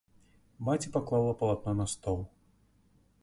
Маці паклала палатно на стол.